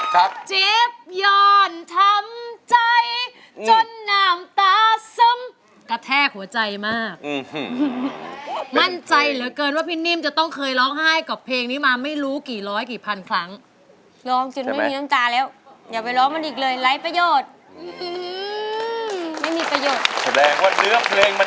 กล่อนทำใจจนหน้ามตาซึม